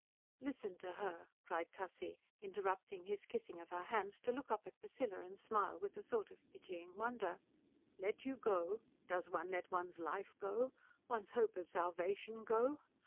"Listen to her!" cried Tussie, interrupting his kissing of her hands to look up at Priscilla and smile with a sort of pitying wonder, "Let you go? Does one let one's life go? One's hope of salvation go?